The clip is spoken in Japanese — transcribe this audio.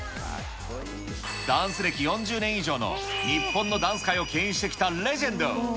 ダンス歴４０年以上の日本のダンス界をけん引してきたレジェンド。